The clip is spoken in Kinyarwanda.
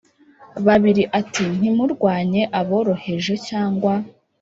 babiri ati ntimurwanye aboroheje cyangwa